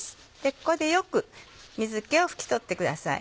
ここでよく水気を拭き取ってください。